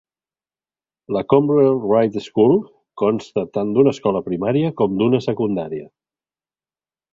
La Cromwell-Wright School consta tant d'una escola primària com d'una de secundària.